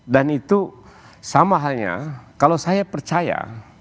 dan itu sama halnya kalau saya percaya